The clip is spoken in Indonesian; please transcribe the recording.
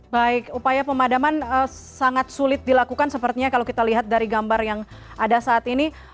baik upaya pemadaman sangat sulit dilakukan sepertinya kalau kita lihat dari gambar yang ada saat ini